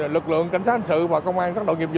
lực lượng cảnh sát anh chị